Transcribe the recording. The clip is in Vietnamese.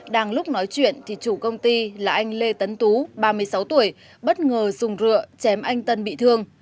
đang lúc nói chuyện thì chủ công ty là anh lê tấn tú ba mươi sáu tuổi bất ngờ dùng rượu chém anh tân bị thương